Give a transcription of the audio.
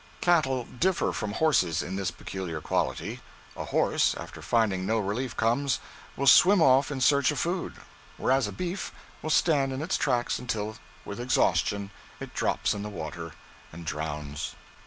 Cattle differ from horses in this peculiar quality. A horse, after finding no relief comes, will swim off in search of food, whereas a beef will stand in its tracks until with exhaustion it drops in the water and drowns.